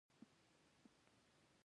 موږ د حالت سره سم خوی بدل کړو.